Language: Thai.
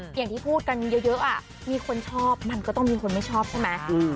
อย่างที่พูดกันเยอะมีคนชอบมันก็ต้องมีคนไม่ชอบใช่ไหม